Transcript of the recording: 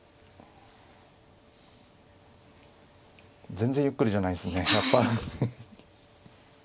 全然ゆっくりじゃないですねやっぱり。